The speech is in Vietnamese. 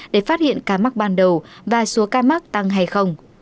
để phát hiện ca mắc ban đầu và số ca mắc tăng hay không